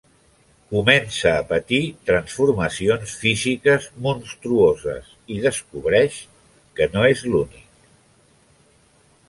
Comença a patir transformacions físiques monstruoses i descobreix que no és l'únic…